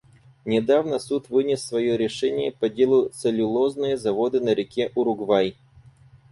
Недавно Суд вынес свое решение по делу «Целлюлозные заводы на реке Уругвай».